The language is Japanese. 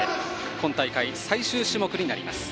今大会、最終種目になります。